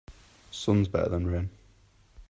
Sun is better than rain.